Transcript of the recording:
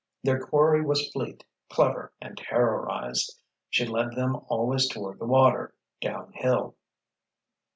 Their quarry was fleet, clever and terrorized: she led them always toward the water, down hill.